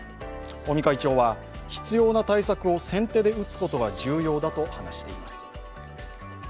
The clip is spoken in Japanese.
尾身会長は、必要な対策を先手で打つことが重要だと話しています。